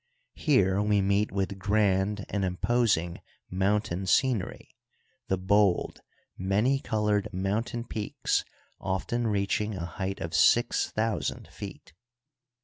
Here we meet with grand and imposing mountain scenery, the bold, many colored mountain peaks often reaching a height of six thousand feet.